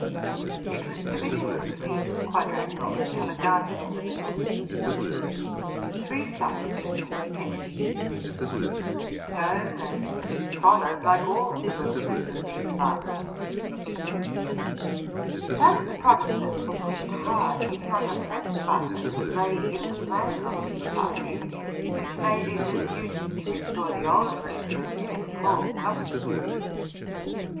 It w to be a complete quadrangle, and have a garden in the ita dle: three sides of it were finished. It is of stone, and solid, like all the buildings of these fathers. That the Protestants were pushed hard, if not oppressed by them, lay in the plan of the society which made it a duty to restore the old reli gion in its whole compass.